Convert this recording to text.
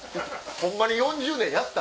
ホンマに４０年やった？